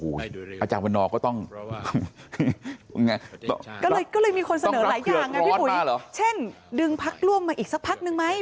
อาจารย์วันนอก็ต้องก็เลยมีคนเสนอหลายอย่างไงพี่อุ๋ยเช่นดึงพักร่วมมาอีกสักพักนึงไหม